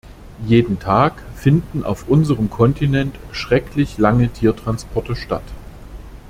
Jeden Tag finden auf unserem Kontinent schrecklich lange Tiertransporte statt.